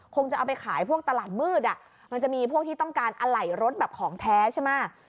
คงจะเอาไปขายพวกตลาดมืดอ่ะมันจะมีพวกที่ต้องการอะไหล่รถแบบของแท้ใช่ไหม